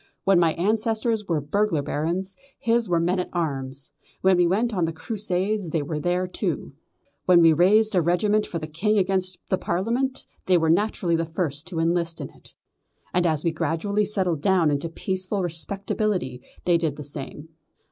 When my ancestors were burglar barons, his were men at arms. When we went on the Crusades they went too; when we raised a regiment for the King against the Parliament they were naturally the first to enlist in it; and as we gradually settled down into peaceful respectability they did the same.